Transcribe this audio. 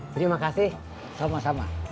terima kasih sama sama